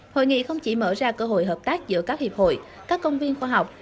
hội nghị không chỉ mở ra cơ hội hợp tác giữa các hiệp hội các công viên khoa học